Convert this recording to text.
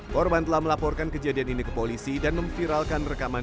korban telah melaporkan kejadian ini ke polisi dan memviralkan rekaman